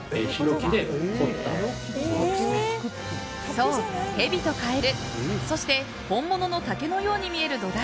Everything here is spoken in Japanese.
そう、ヘビとカエルそして本物の竹のように見える土台。